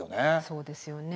そうですよね。